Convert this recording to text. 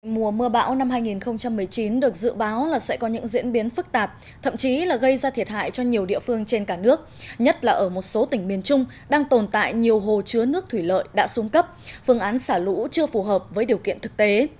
mùa mưa bão năm hai nghìn một mươi chín được dự báo là sẽ có những diễn biến phức tạp thậm chí là gây ra thiệt hại cho nhiều địa phương trên cả nước nhất là ở một số tỉnh miền trung đang tồn tại nhiều hồ chứa nước thủy lợi đã xuống cấp phương án xả lũ chưa phù hợp với điều kiện thực tế